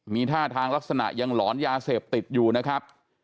มีท่าทางลักษณะยังหลอนยาเสพติดอยู่นะครับ